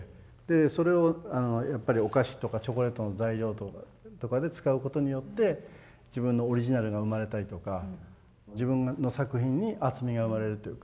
それをやっぱりお菓子とかチョコレートの材料とかで使うことによって自分のオリジナルが生まれたりとか自分の作品に厚みが生まれるというか。